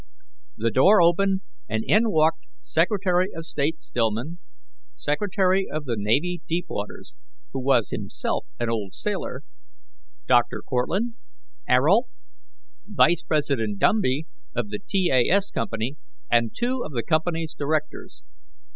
The door opened, and in walked Secretary of State Stillman, Secretary of the Navy Deepwaters, who was himself an old sailor, Dr. Cortlandt, Ayrault. Vice President Dumby, of the T. A. S. Co., and two of the company's directors.